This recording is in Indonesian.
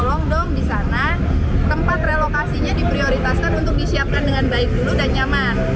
tolong dong di sana tempat relokasinya diprioritaskan untuk disiapkan dengan baik dulu dan nyaman